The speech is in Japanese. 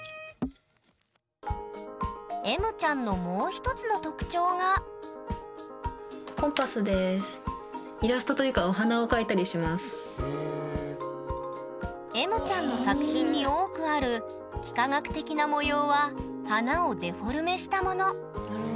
えむちゃんのもう一つの特徴がイラストというかえむちゃんの作品に多くある幾何学的な模様は花をデフォルメしたもの。